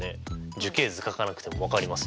樹形図書かなくても分かります。